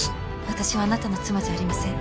私はあなたの妻じゃありません。